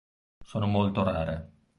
Sono molto rare.